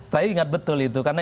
saya ingat betul itu karena